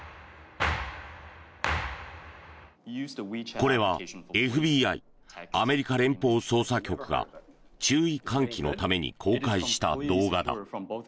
これはＦＢＩ・アメリカ連邦捜査局が注意喚起のために公開した動画だ。